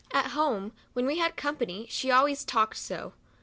At home, when we had company, she always talked so.